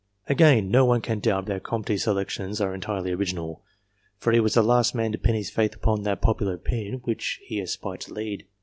Again, no one can doubt that Comte's selections are entirely original; for he was the last man to pin his faith upon that popular opinion which he aspired to lead.